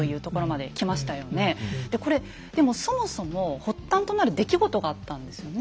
でこれでもそもそも発端となる出来事があったんですよね。